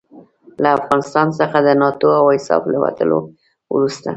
له افغانستان څخه د ناټو او ایساف له وتلو وروسته.